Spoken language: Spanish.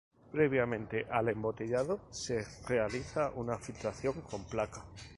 Previamente al embotellado se realiza una filtración con placa.